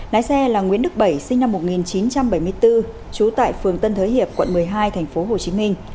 lái xe là nguyễn đức bảy sinh năm một nghìn chín trăm bảy mươi bốn trú tại phường tân thới hiệp quận một mươi hai tp hcm